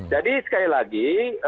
jadi sekali lagi